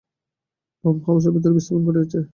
Pump হাউসের ভেতরে বিস্ফোরণ ঘটিয়েছে।